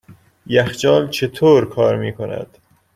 یخچال چطور کار میکند؟